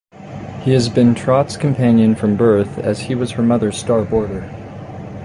He has been Trot's companion from birth as he was her mother's star boarder.